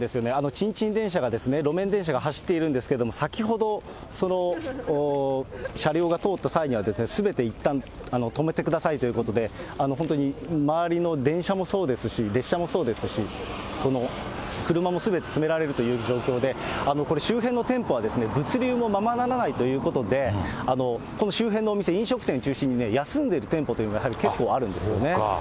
チンチン電車が、路面電車が走っているんですけれども、その車両が通った際には、すべていったん、止めてくださいということで、本当に周りの電車もそうですし、列車もそうですし、車もすべて止められるという状況で、これ、周辺の店舗は物流もままならないということで、この周辺のお店、飲食店を中心に、休んでいる店舗というのが結構あるんですよね。